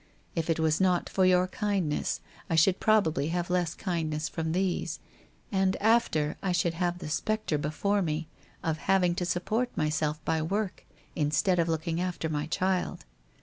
If it was not for your kindness I should probably have less kindness from these, and after I should have the spectre before me of having to support myself by work instead of looking after my child.